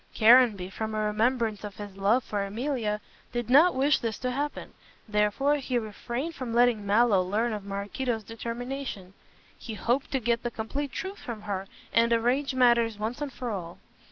Caranby, from a remembrance of his love for Emilia, did not wish this to happen; therefore, he refrained from letting Mallow learn of Maraquito's determination. He hoped to get the complete truth from her and arrange matters once and for all.